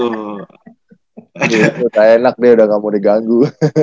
udah enak deh udah ga mau diganggu